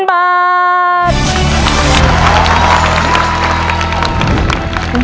คุณฝนจากชายบรรยาย